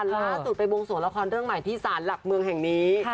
ล่าสุดไปบวงสวงละครเรื่องใหม่ที่สารหลักเมืองแห่งนี้